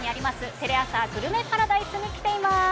テレアサグルメパラダイスに来ています。